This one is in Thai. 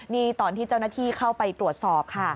นี่ตอนที่เจ้าหน้าที่เข้าไปตรวจสอบค่ะ